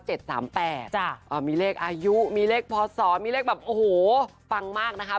มีเลขอายุมีเลขพศมีเลขแบบโอ้โหฟังมากนะคะ